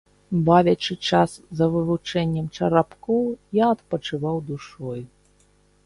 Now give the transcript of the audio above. Бавячы час за вывучэннем чарапкоў, я адпачываў душой.